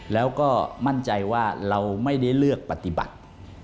แล้วก็มั่นใจว่าเราไม่ได้เลือกปฏิบัติ